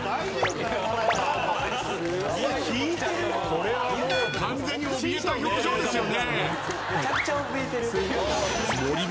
これはもう完全におびえた表情ですよね。